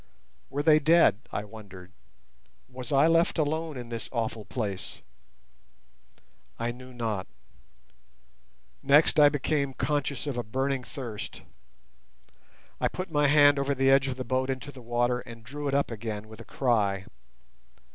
"Were they dead?" I wondered. "Was I left alone in this awful place?" I knew not. Next I became conscious of a burning thirst. I put my hand over the edge of the boat into the water and drew it up again with a cry.